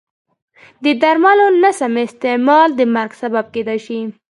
د درملو نه سم استعمال د مرګ سبب کېدای شي.